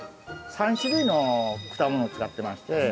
３種類の果物を使ってまして。